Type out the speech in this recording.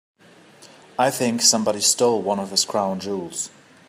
I think somebody stole one of his crown jewels.